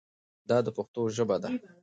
دا د پښتو ژبه ده.